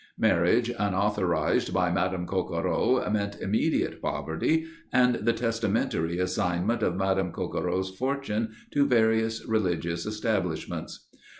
Marriage unauthorized by Madame Coquereau meant immediate poverty and the testamentary assignment of Madame Coquereau's fortune to various religious establishments.